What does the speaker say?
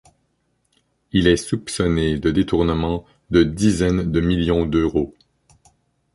Il est soupçonné de détournement de dizaines de millions d’euros.